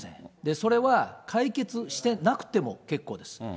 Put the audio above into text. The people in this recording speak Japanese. それは、解決してなくても結構です。